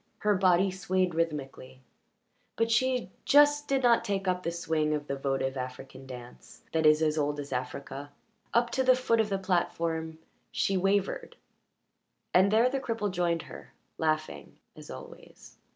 Her body swayed rhythmically, but she just did not take up the swing of the votive African dance that is as old as Africa. Up to the foot of the platform she wavered, and there the cripple joined her, laughing as always.